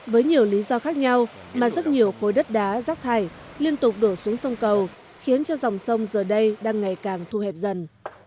với nhiều lý do khác nhau mà rất nhiều khối đất đá rác thải liên tục đổ xuống sông cầu khiến cho dòng sông giờ đây đang ngày càng thu hẹp dần